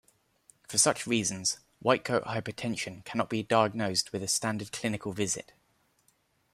For such reasons, white coat hypertension cannot be diagnosed with a standard clinical visit.